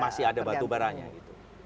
masih ada batu baranya gitu